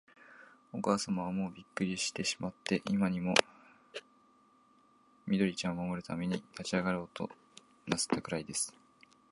おかあさまは、もうびっくりしてしまって、今にも、緑ちゃんを守るために立ちあがろうとなすったくらいです。